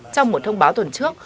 trong một thông báo tuần trước